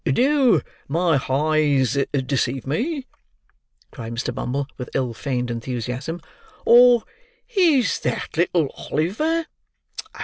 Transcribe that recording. "Do my hi's deceive me!" cried Mr. Bumble, with ill feigned enthusiasm, "or is that little Oliver?